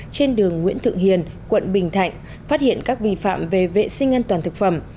trên đường nguyễn thượng hiền quận bình thạnh phát hiện các vi phạm về vệ sinh an toàn thực phẩm